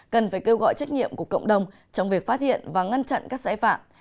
cần phải kêu gọi trách nhiệm của cộng đồng trong việc phát hiện và ngăn chặn các sai phạm